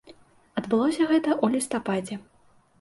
Адбылося гэта ў лістападзе.